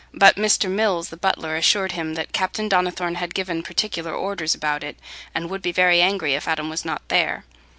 But Mr. Mills, the butler, assured him that Captain Donnithorne had given particular orders about it, and would be very angry if Adam was not there.